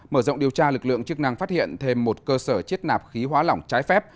mở rộng điều tra lực lượng chức năng phát hiện thêm một cơ sở chiết nạp khí hóa lỏng trái phép